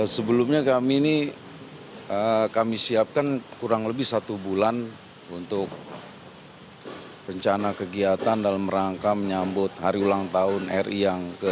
sebelumnya kami ini kami siapkan kurang lebih satu bulan untuk rencana kegiatan dalam rangka menyambut hari ulang tahun ri yang ke tujuh puluh